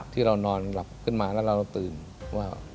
ที่เรานอนหลับขึ้นมาแล้วเราตื่นว่า